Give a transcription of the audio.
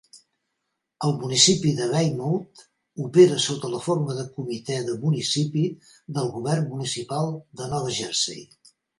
El municipi de Weymouth opera sota la forma de Comitè de Municipi del govern municipal de Nova Jersey.